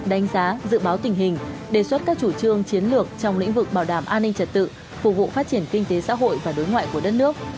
đánh giá dự báo tình hình đề xuất các chủ trương chiến lược trong lĩnh vực bảo đảm an ninh trật tự phục vụ phát triển kinh tế xã hội và đối ngoại của đất nước